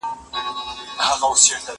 زه به سبا موبایل کار کړم؟!